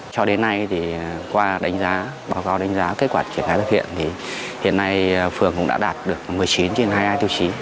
cho đến nay qua đánh giá báo cáo đánh giá kết quả triển khai thực hiện thì hiện nay phường cũng đã đạt được một mươi chín trên hai mươi hai tiêu chí